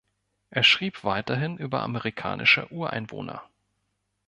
Er schrieb weiterhin über amerikanische Ureinwohner.